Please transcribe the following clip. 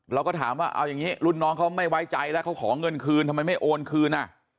เราก็ถามว่าเอาอย่างนี้รุ่นน้องเขาไม่ไว้ใจแล้วเขาขอเงินคืนทำไมไม่โอนคืน